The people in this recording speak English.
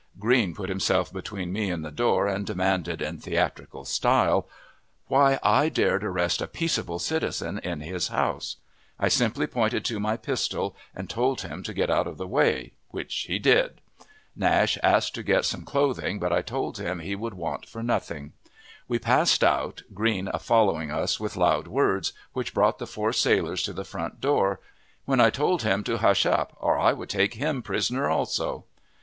Green put himself between me and the door, and demanded, in theatrical style, why I dared arrest a peaceable citizen in his house. I simply pointed to my pistol, and told him to get out of the way, which he did. Nash asked to get some clothing, but I told him he should want for nothing. We passed out, Green following us with loud words, which brought the four sailors to the front door, when I told him to hush up or I would take him prisoner also.